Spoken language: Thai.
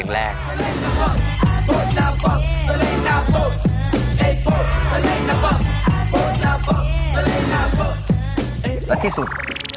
และที่สุด